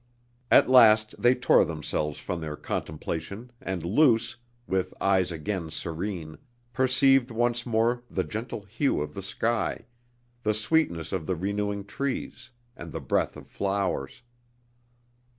At last they tore themselves from their contemplation and Luce, with eyes again serene, perceived once more the gentle hue of the sky, the sweetness of the renewing trees and the breath of flowers.